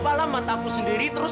aku bukan penipu